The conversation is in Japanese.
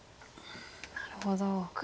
なるほど。